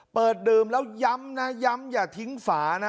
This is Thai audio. ดื่มแล้วย้ำนะย้ำอย่าทิ้งฝานะ